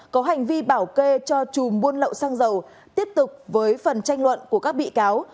có hành vi bảo kê cho chùm buôn lậu xăng dầu tiếp tục với phần tranh luận của các bị cáo